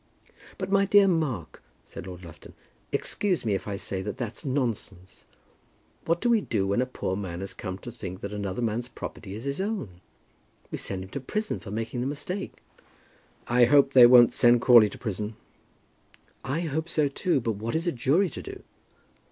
"But, my dear Mark," said Lord Lufton, "excuse me if I say that that's nonsense. What do we do when a poor man has come to think that another man's property is his own? We send him to prison for making the mistake." "I hope they won't send Crawley to prison." "I hope so too; but what is a jury to do?"